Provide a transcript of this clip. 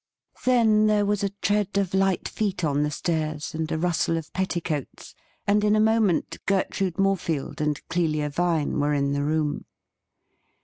Then there was a tread of light feet on the stairs, and a rustle of petticoats, and in a moment Gertrude Morefield and Clelia Vine were in the room.